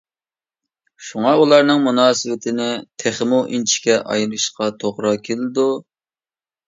شۇڭا، ئۇلارنىڭ مۇناسىۋىتىنى تېخىمۇ ئىنچىكە ئايرىشقا توغرا كېلىدۇ.